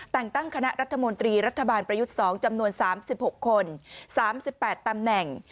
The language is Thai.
แต่งตั้งคณะรัฐมนตรีรัฐบาลประยุทธ์๒จำนวน๓๖คน๓๘ตำแหน่ง